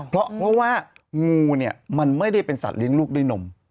เพราะว่างูเนี่ยมันไม่ได้เป็นสัตว์เลี้ยงลูกด้วยนม